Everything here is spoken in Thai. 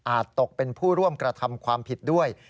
ตกเป็นผู้ร่วมกระทำความผิดด้วย